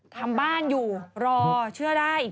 ทำบ้านอยู่รอเชื่อได้